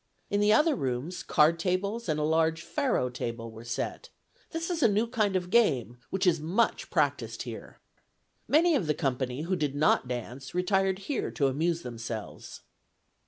In the other rooms, card tables, and a large faro table, were set: this is a new kind of game, which is much practised here. Many of the company who did not dance, retired here to amuse themselves.